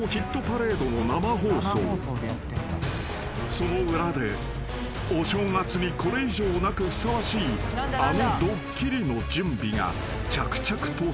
［その裏でお正月にこれ以上なくふさわしいあのドッキリの準備が着々と進められていた］